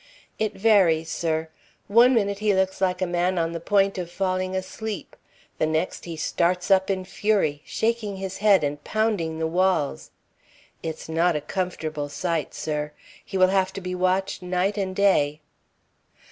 "It varies, sir. One minute he looks like a man on the point of falling asleep; the next he starts up in fury, shaking his head and pounding the walls. It's not a comfortable sight, sir. He will have to be watched night and day."